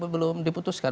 kan belum diputuskan